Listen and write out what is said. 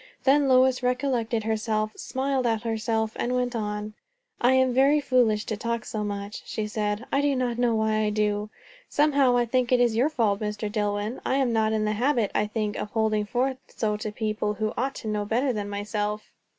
Then Lois recollected herself, smiled at herself, and went on. "I am very foolish to talk so much," she said. "I do not know why I do. Somehow I think it is your fault, Mr. Dillwyn. I am not in the habit, I think, of holding forth so to people who ought to know better than myself."